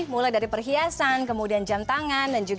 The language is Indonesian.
mulai dari perhiasan kemudian jam tangan